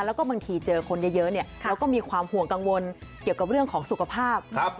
แล้วก็บางทีเจอคนเยอะแล้วก็มีความห่วงกังวลเกี่ยวกับเรื่องของสุขภาพ